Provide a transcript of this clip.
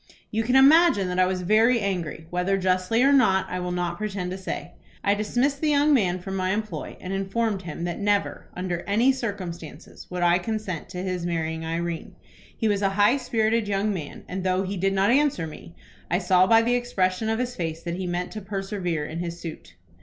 "You can imagine that I was very angry, whether justly or not I will not pretend to say. I dismissed the young man from my employ, and informed him that never, under any circumstances, would I consent to his marrying Irene. He was a high spirited young man, and, though he did not answer me, I saw by the expression of his face that he meant to persevere in his suit.